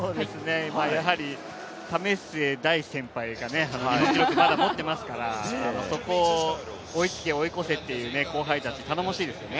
やはり為末大先輩が日本記録まだ持っていますからそこを追いつけ追い越せっていう後輩たち、頼もしいですよね。